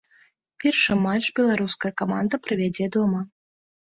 Першы матч беларуская каманда правядзе дома.